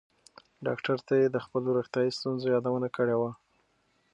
ډاکټر ته یې د خپلو روغتیایي ستونزو یادونه کړې وه.